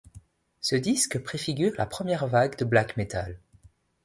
Ce disque préfigure la première vague de black metal.